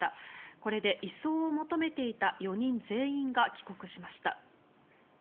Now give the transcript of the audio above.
これで移送を求めていた４人全員が帰国しました。